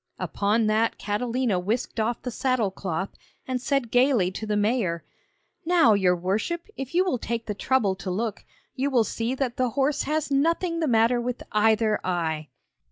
Upon that Catalina whisked off the saddle cloth, and said gaily to the mayor: 'Now, your worship, if you will take the trouble to look, you will see that the horse has nothing the matter with either eye!'